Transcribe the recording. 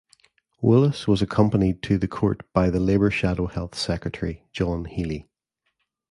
Woolas was accompanied to court by the Labour Shadow Health Secretary John Healey.